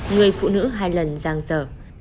người phụ nữ hai lần giang dở